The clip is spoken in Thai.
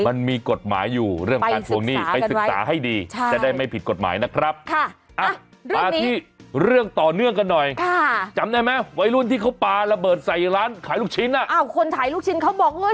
มันมีกฎหมายอยู่เรื่องการทวงหนี้ไปศึกษาให้ดี